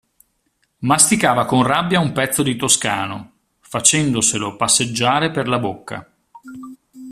Masticava con rabbia un pezzo di toscano, facendoselo passeggiare per la bocca.